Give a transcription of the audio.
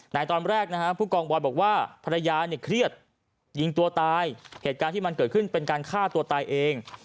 ตอนแรกนะฮะผู้กองบอยบอกว่าภรรยาเนี่ยเครียดยิงตัวตายเหตุการณ์ที่มันเกิดขึ้นเป็นการฆ่าตัวตายเอง